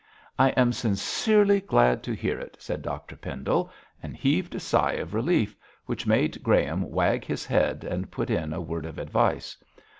'I am sincerely glad to hear it,' said Dr Pendle, and heaved a sigh of relief which made Graham wag his head and put in a word of advice.